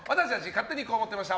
勝手にこう思ってました！